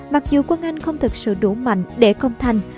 mặc dù quân anh không thực sự đủ mạnh để công thành